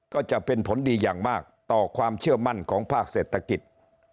ก็จะเป็นผลดีอย่างมากต่อความเชื่อมั่นของภาคเศรษฐกิจ